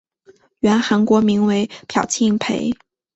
原韩国名为朴庆培。